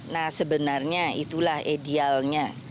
nah sebenarnya itulah idealnya